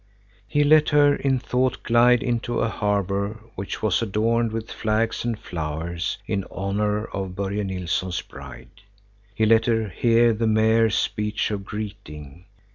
He let her in thought glide into a harbor which was adorned with flags and flowers in honor of Börje Nilsson's bride. He let her hear the mayor's speech of greeting.